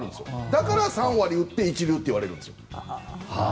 だから３割打って一流って言われるんです。